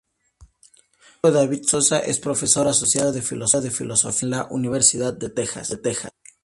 Su hijo, David Sosa, es profesor asociado de filosofía en la Universidad de Texas.